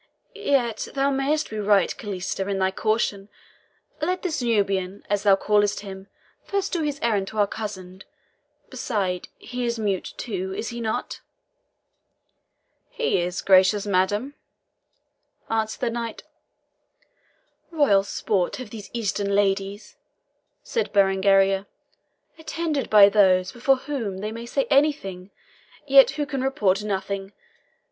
"Yet thou mayest be right, Calista, in thy caution. Let this Nubian, as thou callest him, first do his errand to our cousin besides, he is mute too, is he not?" "He is, gracious madam," answered the knight. "Royal sport have these Eastern ladies," said Berengaria, "attended by those before whom they may say anything, yet who can report nothing.